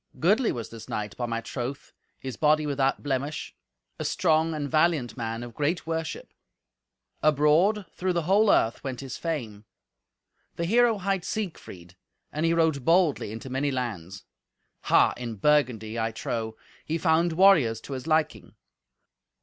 Goodly was this knight, by my troth, his body without blemish, a strong and valiant man of great worship; abroad, through the whole earth, went his fame. The hero hight Siegfried, and he rode boldly into many lands. Ha! in Burgundy, I trow, he found warriors to his liking.